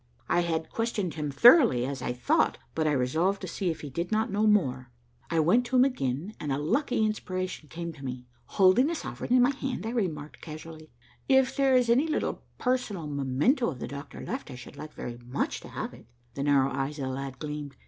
I had questioned him thoroughly, as I thought, but I resolved to see if he did not know more. I went to him again, and a lucky inspiration came to me. Holding a sovereign in my hand I remarked casually, 'If there is any little personal memento of the doctor left, I should like very much to have it.' The narrow eyes of the lad gleamed.